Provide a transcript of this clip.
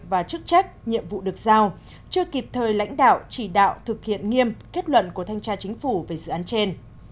và chức trách nhiệm vụ được giao chưa kịp thời lãnh đạo chỉ đạo thực hiện nghiêm kết luận của thanh tra chính phủ về dự án trên